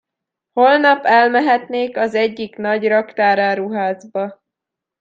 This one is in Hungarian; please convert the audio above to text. Holnap elmehetnék az egyik nagy raktáráruházba.